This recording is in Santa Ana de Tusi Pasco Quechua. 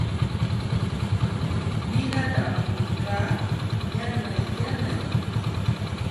Ninata puukaa yanay yanay.